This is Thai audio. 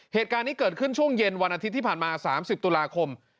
เหตุการณ์นี้เกิดขึ้นช่วงเย็นวันอาทิตย์ที่ผ่านมา๓๐ตุลาคม